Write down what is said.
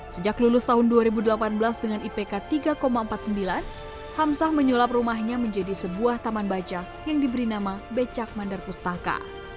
sejak lulus tahun dua ribu delapan belas dengan ipk tiga empat puluh sembilan hamsah menyulap rumahnya menjadi sebuah taman baca yang diberi nama becak mandar pustaka